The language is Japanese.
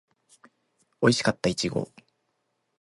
おいしかったいちご